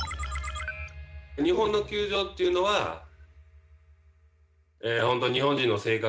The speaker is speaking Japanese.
日本の球場っていうのはほんと日本人の性格